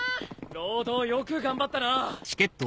労働よく頑張ったな。